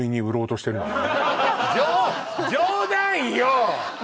冗冗談よ